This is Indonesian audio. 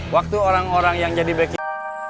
waktu orang orang yang jadi backing